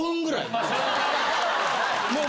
もう。